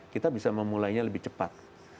kita bisa memulainya lebih cepat